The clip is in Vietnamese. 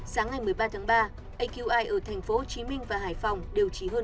sáng ngày một mươi ba tháng ba aqi ở thành phố hồ chí minh và hải phòng đều chỉ hơn tám mươi